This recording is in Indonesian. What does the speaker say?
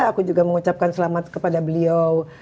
aku juga mengucapkan selamat kepada beliau